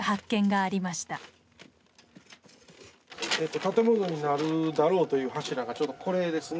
えと建物になるだろうという柱がちょうどこれですね。